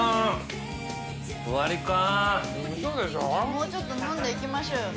もうちょっと飲んでいきましょうよ